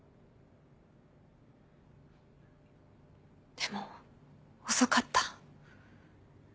でも遅かった。